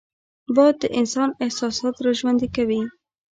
باد د انسان احساسات راژوندي کوي